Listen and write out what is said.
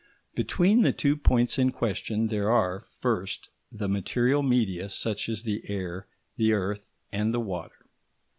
Between the two points in question there are, first, the material media such as the air, the earth, and the water.